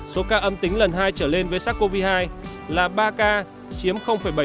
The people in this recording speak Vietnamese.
số ca âm tính lần hai trở lên với sars cov hai là ba ca chiếm bảy